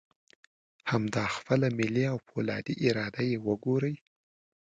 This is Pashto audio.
همدا خپله ملي او فولادي اراده یې وګورئ.